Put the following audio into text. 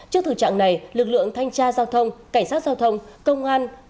trước thử trạng này lực lượng thanh tra giao thông cảnh sát giao thông công an